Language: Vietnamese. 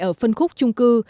ở phân khúc trung cư